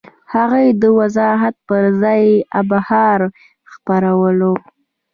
هغوی د وضاحت پر ځای ابهام خپرولو.